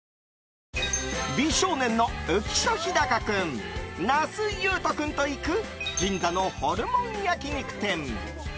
美少年の浮所飛貴君那須雄登君と行く銀座のホルモン焼き肉店。